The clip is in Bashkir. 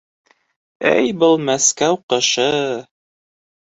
Эй был Мәскәү ҡышы!...